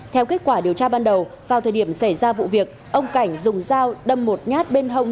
theo kết quả điều tra ban đầu vào thời điểm xảy ra vụ việc ông cảnh dùng dao đâm một nhát bên hông